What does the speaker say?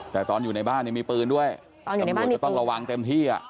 แต่ตอนอยู่ในบ้านเนี้ยมีปืนด้วยตอนอยู่ในบ้านมีปืนตำรวจจะต้องระวังเต็มที่อ่ะ